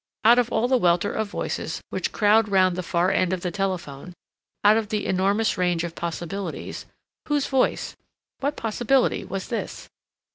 Out of all the welter of voices which crowd round the far end of the telephone, out of the enormous range of possibilities, whose voice, what possibility, was this?